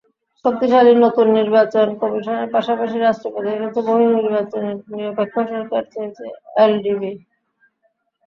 শক্তিশালী নতুন নির্বাচন কমিশনের পাশাপাশি রাষ্ট্রপতির কাছে নির্বাচনকালীন নিরপেক্ষ সরকার চেয়েছে এলডিপি।